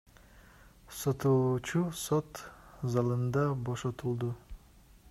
Соттолуучу сот залында бошотулду.